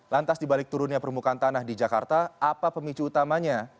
lantas dibalik turunnya permukaan tanah di jakarta apa pemicu utamanya